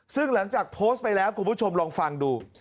ซึ่งหลังจากโพสต์ไปแล้วคุณผู้ชมลองฟังดู